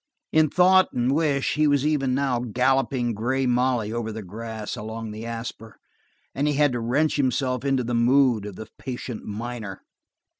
In thought and wish he was even now galloping Grey Molly over the grass along the Asper, and he had to wrench himself into the mood of the patient miner.